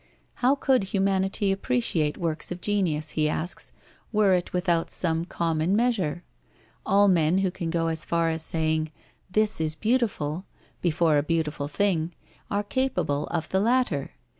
How could humanity appreciate works of genius, he asks, were it without some common measure? All men who can go as far as saying "this is beautiful" before a beautiful thing, are capable of the latter.